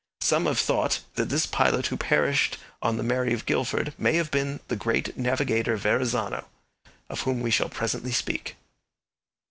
Some have thought that this pilot who perished on the Mary of Guildford may have been the great navigator Verrazano, of whom we shall presently speak.